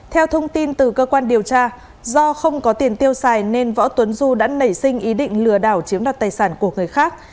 theo thông tin từ cơ quan điều tra do không có tiền tiêu xài nên võ tuấn du đã nảy sinh ý định lừa đảo chiếm đoạt tài sản của người khác